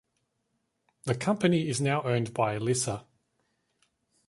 The company is now owned by Elisa.